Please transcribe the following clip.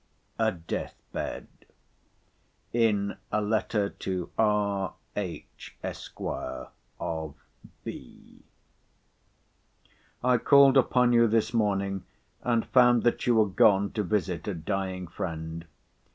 A DEATH BED IN A LETTER TO R.H. ESQ. OF B—— I called upon you this morning, and found that you were gone to visit a dying friend.